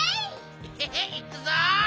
ヘヘヘッいくぞ！